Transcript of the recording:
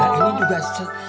nah ini juga se